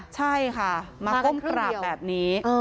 ใช่ค่ะมาก้มกราบแบบนี้